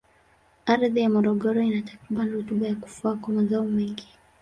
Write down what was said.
Ardhi ya Morogoro ina takribani rutuba ya kufaa kwa mazao mengi.